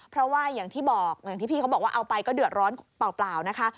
เพราะว่าอย่างที่พี่เขาบอกว่าเอาไปก็เดือดร้อนเปล่านะคะ